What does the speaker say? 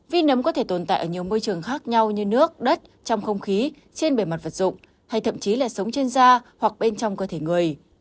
vi nấm có thể tồn tại ở nhiều môi trường khác nhau như nước đất trong không khí trên bề mặt vật dụng hay thậm chí là sống trên da hoặc bên trong cơ thể người